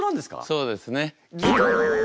そうですね。